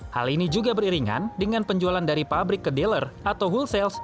hal ini juga beriringan dengan penjualan dari pabrik ke dealer atau whole sales